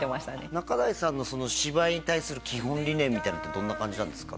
仲代さんのその芝居に対する基本理念みたいなのってどんな感じなんですか？